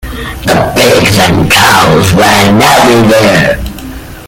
The pigs and cows ran everywhere.